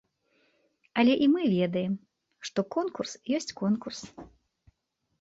Але і мы ведаем, што конкурс ёсць конкурс.